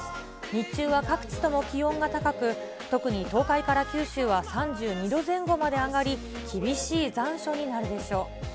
日中は各地とも気温が高く、特に東海から九州は３２度前後まで上がり、厳しい残暑になるでしょう。